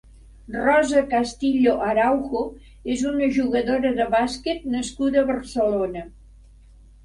Rosa Castillo Araujo és una jugadora de bàsquet nascuda a Barcelona.